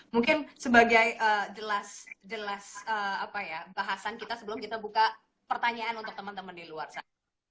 mungkin sebagai jelas bahasan kita sebelum kita buka pertanyaan untuk teman teman di luar sana